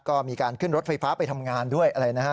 ก็มีการขึ้นรถไฟฟ้าไปทำงานด้วยอะไรนะฮะ